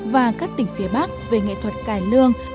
và các tỉnh phía bắc về nghệ thuật cải lương